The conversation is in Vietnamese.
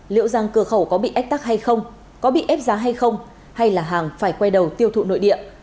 liệu rằng cửa khẩu có bị ách tắc hay không có bị ép giá hay không hay là hàng phải quay đầu tiêu thụ nội địa